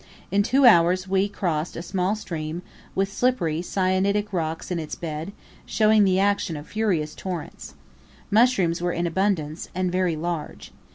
In two hours we crossed a small stream, with slippery syenitic rocks in its bed, showing the action of furious torrents. Mushrooms were in abundance, and very large.